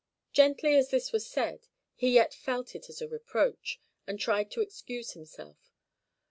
Gently as this was said, he yet felt it as a reproach, and tried to excuse himself.